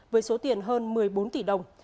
với số tiền hơn một mươi bốn tỷ đồng